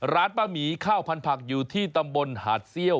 ร้านป้าหมีข้าวพันผักอยู่ที่ตำบลหาดเซี่ยว